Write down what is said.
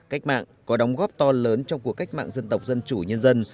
cách mạng có đóng góp to lớn trong cuộc cách mạng dân tộc dân chủ nhân dân